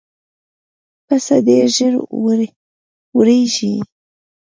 پسه ډېر ژر وېرېږي.